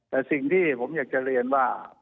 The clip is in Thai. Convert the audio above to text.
แต่สิ่งที่ผมอยากจะเรียนว่า